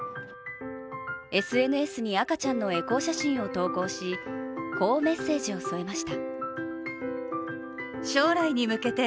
ＳＮＳに赤ちゃんのエコー写真を投稿しこうメッセージを添えました。